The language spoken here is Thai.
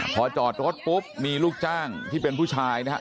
พอจอดรถปุ๊บมีลูกจ้างที่เป็นผู้ชายนะครับ